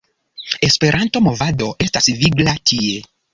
Esperanto-movado estas vigla tie.